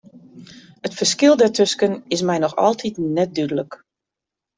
It ferskil dêrtusken is my noch altiten net dúdlik.